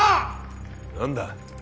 何だ？